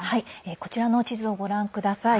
こちらの地図をご覧ください。